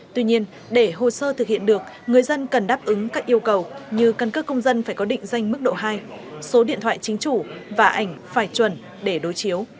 tuy nhiên để hồ sơ thực hiện được người dân cần đáp ứng các yêu cầu như căn cước công dân phải có định danh mức độ hai số điện thoại chính chủ và ảnh phải chuẩn để đối chiếu